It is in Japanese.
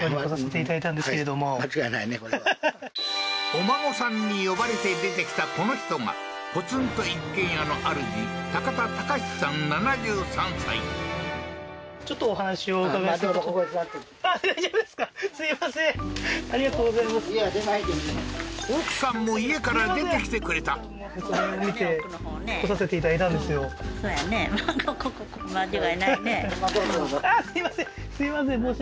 お孫さんに呼ばれて出てきたこの人がポツンと一軒家のあるじ奥さんも家から出てきてくれた孫４人